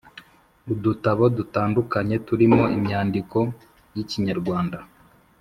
Udutabo dutandukanye turimo imyandiko y’ikinyarwanda